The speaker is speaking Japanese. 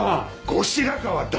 後白河だ！